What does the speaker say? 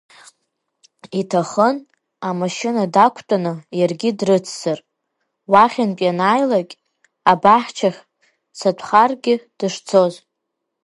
Иҭахын, амашьына дақәтәаны иаргьы дрыццар, уахьынтә ианааилак, абаҳчахь цатәхаргьы дышцоз.